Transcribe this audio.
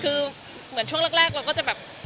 คือเหมือนช่วงแรกเราก็จะแบบ